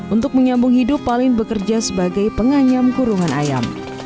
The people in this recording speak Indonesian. untuk menyambung hidup paling bekerja sebagai penganyam kurungan ayam